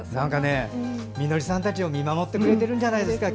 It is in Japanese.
ｍｉｎｏｒｉさんたちを見守ってくれてるんじゃないですか。